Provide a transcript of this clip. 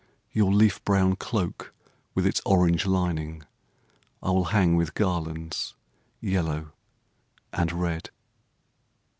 Your leaf brown cloak with its orange lining I will hang with garlands yellow and red.